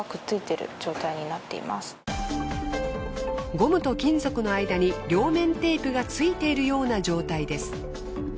ゴムと金属の間に両面テープがついているような状態です。